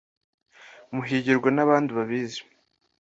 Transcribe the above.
Muhigirwa n’abandi babizi